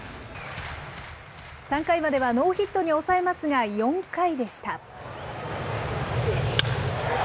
３回まではノーヒットに抑えますが、４回でした。